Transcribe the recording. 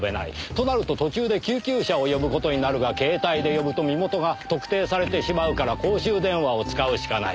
となると途中で救急車を呼ぶ事になるが携帯で呼ぶと身元が特定されてしまうから公衆電話を使うしかない。